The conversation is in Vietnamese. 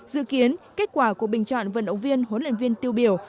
dự kiến kết quả của bình chọn vận động viên huấn luyện viên tiêu biểu